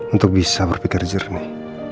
untuk bisa berpikir jernih